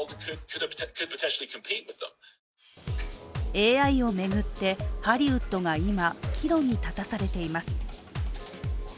ＡＩを巡って、ハリウッドが今岐路に立たされています。